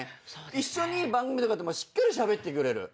一緒に番組とかでもしっかりしゃべってくれる。